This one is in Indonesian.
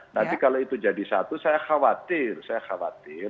nanti kalau itu jadi satu saya khawatir